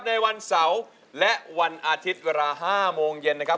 ในวันเสาร์และวันอาทิตย์เวลา๕โมงเย็นนะครับ